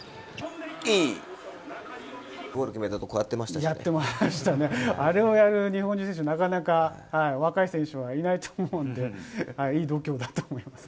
いいゴール決めたあと、やってましたね、あれをやる日本人選手、なかなか、若い選手いないと思うんで、いい度胸だと思います。